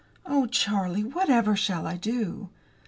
Oh, Charlie, whatever shall I do?"